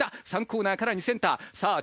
３コーナーから２センターさぁ